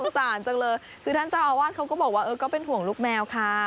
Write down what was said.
สารจังเลยคือท่านเจ้าอาวาสเขาก็บอกว่าเออก็เป็นห่วงลูกแมวค่ะ